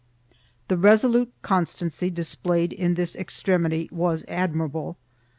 4 The resolute constancy displayed in this extremity was admirable.